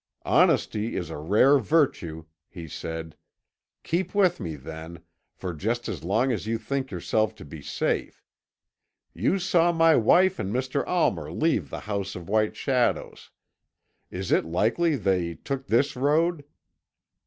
'Honesty is a rare virtue,' he said; 'keep with me, then, for just as long as you think yourself to be safe. You saw my wife and Mr. Almer leave the House of White Shadows. Is it likely they took this road?'